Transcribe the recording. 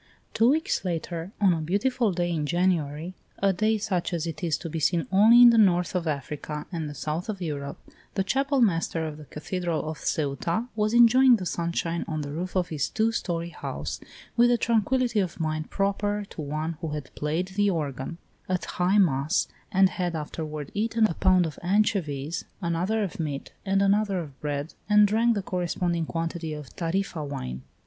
V. Two weeks later, on a beautiful day in January, a day such as is to be seen only in the north of Africa and the south of Europe, the Chapel master of the cathedral of Ceuta was enjoying the sunshine on the roof of his two story house, with the tranquillity of mind proper to one who had played the organ at high mass and had afterward eaten a pound of anchovies, another of meat, and another of bread, and drank the corresponding quantity of Tarifa wine.